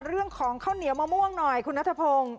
เรื่องของข้าวเหนียวมะม่วงหน่อยคุณนัทพงศ์